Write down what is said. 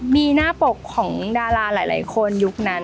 มีหน้าปกของดาราหลายคนยุคนั้น